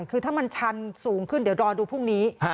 คือถ้ามันชันสูงขึ้นเดี๋ยวรอดูพรุ่งนี้